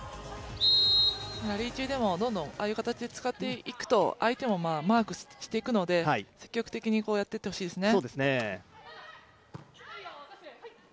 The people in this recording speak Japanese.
ラリー中でもどんどんああいう形でも使っていくと相手もマークしていくので、積極的にやっていってほしいですね。